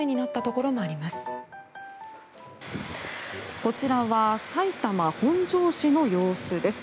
こちらは埼玉県本庄市の様子です。